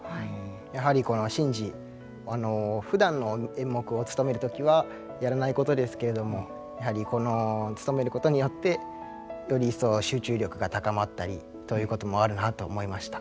やはりこの神事ふだんの演目をつとめる時はやらないことですけれどもやはりこのつとめることによってより一層集中力が高まったりということもあるなと思いました。